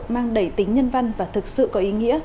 mang đầy tính nhân văn và thực sự có ý nghĩa